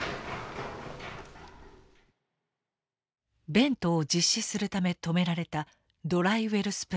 ベントを実施するため止められたドライウェルスプレイ。